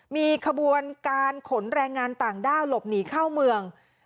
มีขบวนการขนแรงงานต่างด้าวหลบหนีเข้าเมือง